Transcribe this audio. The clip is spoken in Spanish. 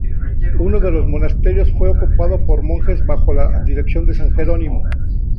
Uno de los monasterios fue ocupado por monjes, bajo la dirección de San Jerónimo.